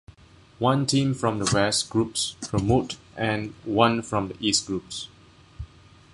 One team from the West groups promote and one from the East groups.